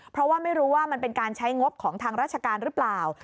เพราะว่าไม่รู้ว่ามันเป็นการใช้งบของทางราชการหรือเปล่า